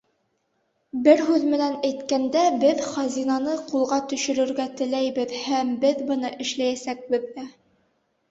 — Бер һүҙ менән әйткәндә, беҙ хазинаны ҡулға төшөрөргә теләйбеҙ һәм беҙ быны эшләйәсәкбеҙ ҙә.